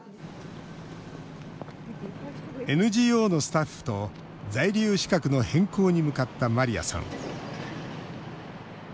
ＮＧＯのスタッフと在留資格の変更に向かったマリアさん。